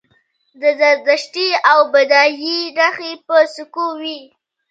د زردشتي او بودايي نښې په سکو وې